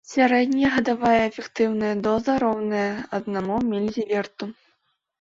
Сярэдняя гадавая эфектыўная доза роўная аднаму мілізіверту.